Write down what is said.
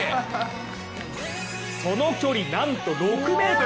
その距離なんと６ｍ。